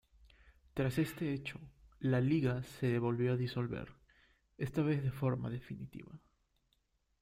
Tras este hecho, la Liga se volvió a disolver, esta vez de forma definitiva.